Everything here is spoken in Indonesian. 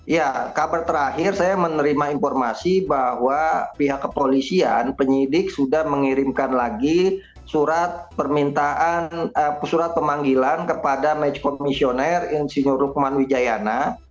ya kabar terakhir saya menerima informasi bahwa pihak kepolisian penyidik sudah mengirimkan lagi surat permintaan surat pemanggilan kepada match komisioner insinyur rukman wijayana